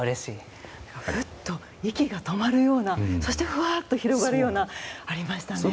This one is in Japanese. ふっと息が止まるようなそして、ふわっと広がるようなものがありましたね。